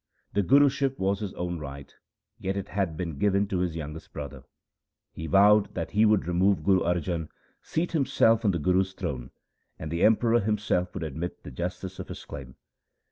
The Guruship was his own right, yet it had been given to his youngest brother. He vowed that he would remove Guru Arjan, seat himself on the Guru's throne, and the Emperor himself would admit the justice of his claim.